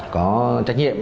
có trách nhiệm